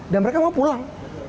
dan mereka mau pulang